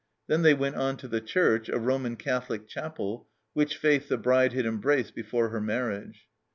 Then they went on to the church, a Roman Catholic chapel, which faith the bride had embraced before her marriage.